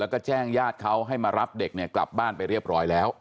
แล้วก็แจ้งญาติเขาให้มารับเด็กเนี่ยกลับบ้านไปเรียบร้อยแล้ว